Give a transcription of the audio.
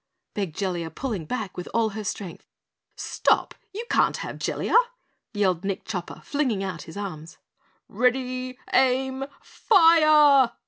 begged Jellia, pulling back with all her strength. "Stop! You can't have Jellia," yelled Nick Chopper, flinging out his arms. "Ready aim fire!"